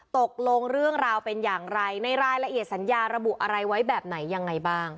ตกลงเรื่องราวเป็นอย่างไรในรายละเอียดสัญญาระบุอะไรไว้แบบไหนยังไงบ้าง